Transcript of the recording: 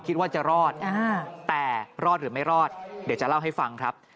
คิดว่าจะรอดแต่รอดหรือไม่รอดเดี๋ยวจะเล่าให้ฟังครับ